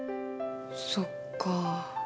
そっか。